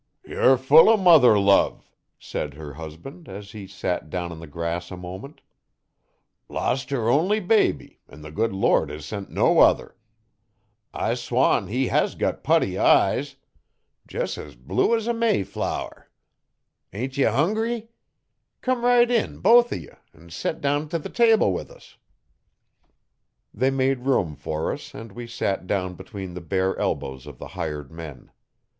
'Yer full o' mother love,' said her husband, as he sat down on the grass a moment 'Lost her only baby, an' the good Lord has sent no other. I swan, he has got putty eyes. Jes' as blue as a May flower. Ain't ye hungry? Come right in, both o' ye, an' set down t' the table with us.' They made room for us and we sat down between the bare elbows of the hired men.